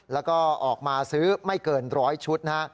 แล้วก็ออกมาซื้อไม่เกินร้อยชุดนะฮะ